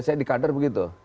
saya di kader begitu